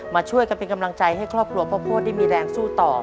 มาช่วยกันเป็นกำลังใจให้ครอบครัวพ่อโพธิได้มีแรงสู้ต่อ